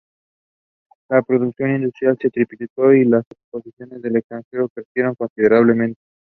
La producción industrial se triplicó y las exportaciones al extranjero crecieron considerablemente.